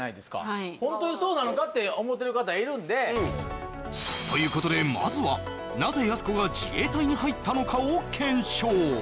はいホントにそうなのかって思ってる方いるんでということでまずはなぜやす子が自衛隊に入ったのかを検証